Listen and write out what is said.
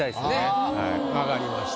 わかりました。